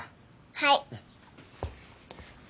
はい。